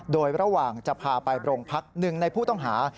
โดยระหว่างจะพาไปโรงพักหนึ่งในผู้ต้องหา